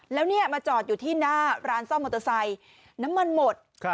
แล้วเนี่ยมาจอดอยู่ที่หน้าร้านซ่อมมอเตอร์ไซค์น้ำมันหมด